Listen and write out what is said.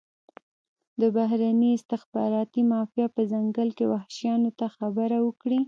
د بهرني استخباراتي مافیا په ځنګل کې وحشیانو ته خبره وکړي.